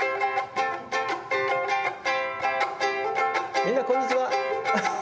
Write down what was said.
「みんなこんにちは！